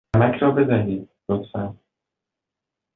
نمک را بدهید، لطفا.